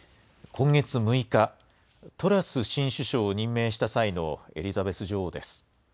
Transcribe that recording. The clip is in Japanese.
今月６日、トラス新首相を任命した際のエリザベス女王です。